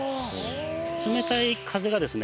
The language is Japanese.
冷たい風がですね